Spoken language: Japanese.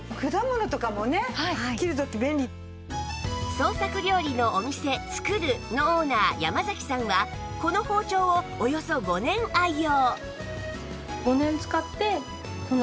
創作料理のお店「つくる。」のオーナー山崎さんはこの包丁をおよそ５年愛用